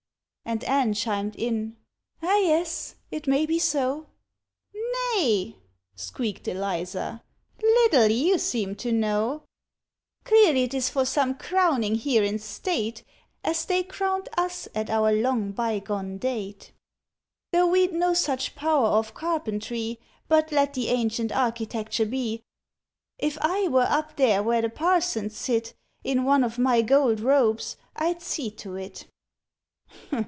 And Anne chimed in: "Ah, yes: it maybe so!" "Nay!" squeaked Eliza. "Little you seem to know— "Clearly 'tis for some crowning here in state, As they crowned us at our long bygone date; "Though we'd no such a power of carpentry, But let the ancient architecture be; "If I were up there where the parsons sit, In one of my gold robes, I'd see to it!"